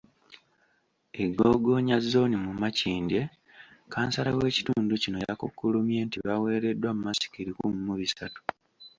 E Gogonya zooni mu Makindye, kansala w’ekitundu kino yakukkulumye nti baweereddwa masiki lukumi mu bisatu.